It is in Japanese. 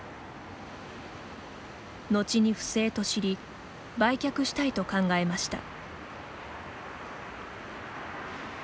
後に不正と知り売却したいと考えました。